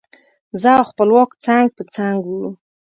زه او خپلواک څنګ په څنګ وو.